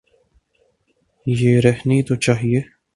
یہ رہنی تو چاہیے۔